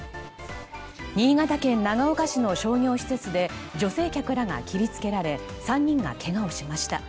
新潟県長岡市の商業施設で女性客らが切り付けられ３人がけがをしました。